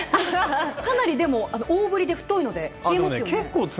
かなり大振りで太いので冷えますよね。